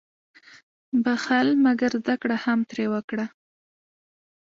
• بخښل، مګر زده کړه هم ترې وکړه.